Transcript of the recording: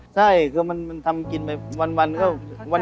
ใช่คือมันทำกินไปวันก็วัน